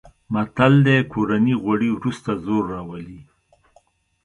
متل دی: کورني غوړي ورسته زور راولي.